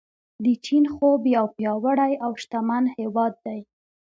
د چین خوب یو پیاوړی او شتمن هیواد دی.